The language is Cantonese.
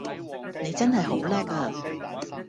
你真係好叻呀